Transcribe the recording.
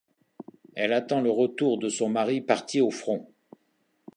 Elle attend le retour de son mari parti au front.